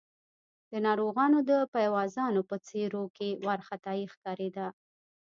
د ناروغانو د پيوازانو په څېرو کې وارخطايي ښکارېده.